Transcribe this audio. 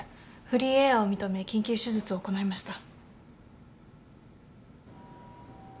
フリーエアを認め緊急手術を行いました。